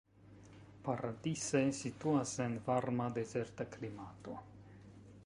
Paradise situas en varma dezerta klimato.